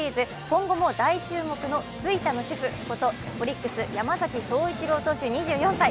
今後も大注目の吹田の主婦こと、オリックス・山崎颯一郎投手２１歳。